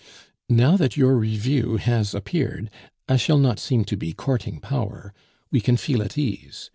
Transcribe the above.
"Now that your review has appeared, I shall not seem to be courting power; we can feel at ease.